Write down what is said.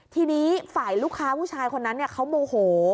ทีนี้ฝ่ายลูกค้าผู้ชายคนนั้นเขาโมโห